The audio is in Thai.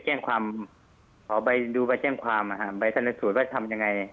แจ้งความขอไปดูไปแจ้งความใบชนสูตรว่าทำยังไง